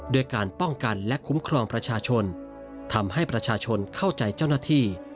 ด้วยการป้องกันและคุ้มครองประชาชนทำให้ประชาชนเข้าใจเจ้าหน้าที่